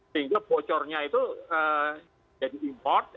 sehingga bocornya itu jadi import